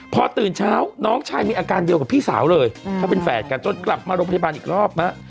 พอตื่นเช้าน้องชายมีอาการเดียวกับพี่สาวเลยเขาเป็นแฝดกันจนกลับมาโรงพยาบาลอีกรอบฮะ